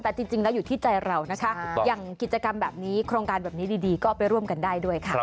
แต่จริงแล้วอยู่ที่ใจเรานะคะอย่างกิจกรรมแบบนี้โครงการแบบนี้ดีก็ไปร่วมกันได้ด้วยค่ะ